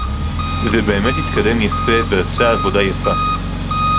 ובאמת התקדם יפה ועשה עבודה יפה